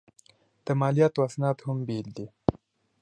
د مالیاتو اسناد هم بېل دي.